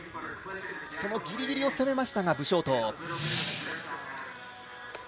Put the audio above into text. そのギリギリを攻めました武紹桐。